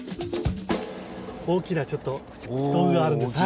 大きなちょっと道具があるんです。